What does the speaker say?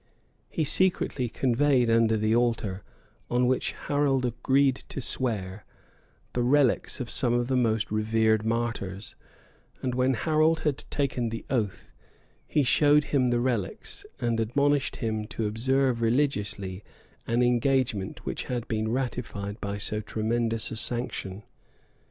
He secretly conveyed under the altar, on which Harold agreed to swear, the relics of some of the most revered martyrs; and when Harold had taken the oath, he showed him the relics, and admonished him to observe religiously an engagement which had been ratified by so tremendous a sanction.